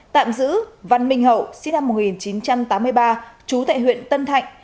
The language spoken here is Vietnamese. tạm giữ văn minh hậu sinh năm một nghìn chín trăm tám mươi ba trú tại huyện tân thạnh